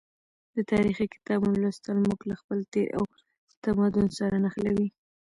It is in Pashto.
د تاریخي کتابونو لوستل موږ له خپل تیر او تمدن سره نښلوي.